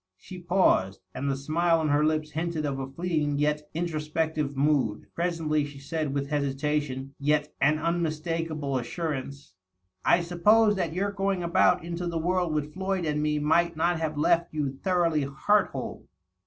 '' She paused, and the smile on her lips hinted of a fleeting yet intro spective mood. Presently she said, with hesitation yet an unmistaka ble assurance, " I supposed that your going about into the world with Floyd and me might not have left you thoroughly heart whole.''